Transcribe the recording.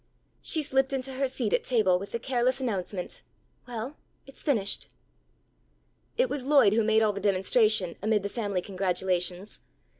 She slipped into her seat at table with the careless announcement "Well, it's finished." It was Lloyd who made all the demonstration amid the family congratulations.